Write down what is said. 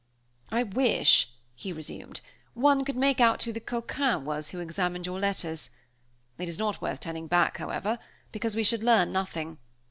"I wish," he resumed, "one could make out who the coquin was who examined your letters. It is not worth turning back, however, because we should learn nothing.